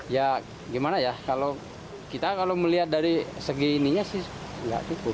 ya gimana ya kalau kita kalau melihat dari segi ininya sih nggak cukup